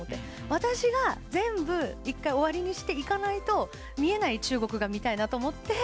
私が全部一回終わりにして行かないと、見えない中国が見たいなと思って。